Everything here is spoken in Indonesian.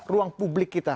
ruang publik kita